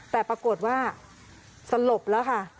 แต่ปรากฏว่าสลบแล้วค่ะ